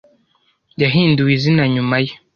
yahinduwe izina nyuma ye